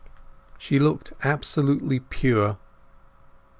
She looked absolutely pure.